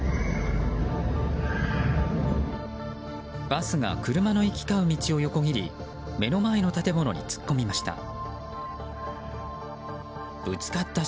バスが車の行き交う道を横切り目の前の建物に突っ込みました。